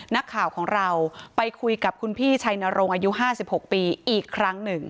นักข่าวของเราไปคุยกับคุณพี่ชัยนรงค์อายุ๕๖ปีอีกครั้งหนึ่ง